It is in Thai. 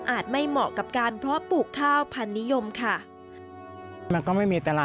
ไม่เหมาะกับการเพาะปลูกข้าวพันนิยมค่ะ